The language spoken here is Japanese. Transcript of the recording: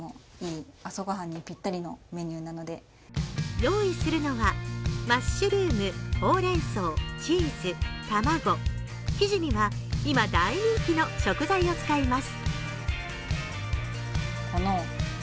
用意するのはマッシュルーム、ほうれん草、チーズ、卵、生地には、今大人気の食材を使います。